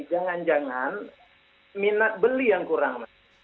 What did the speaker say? jangan jangan minat beli yang kurang